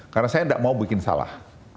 karena saya enggak mau bikin salah